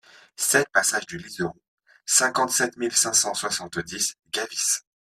sept passage du Liseron, cinquante-sept mille cinq cent soixante-dix Gavisse